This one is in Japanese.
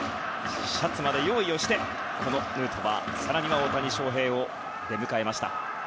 シャツまで用意をしてこのヌートバー更には大谷翔平を出迎えました。